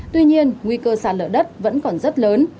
tuy nhiên nguy cơ sạt lở đất vẫn còn rất lớn